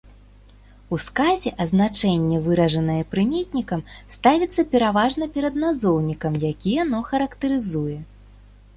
У сказе азначэнне выражанае прыметнікам ставіцца пераважна перад назоўнікам, які яно характарызуе.